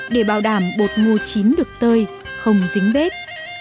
để bảo đảm bột ngô chín được tơi không dính bếp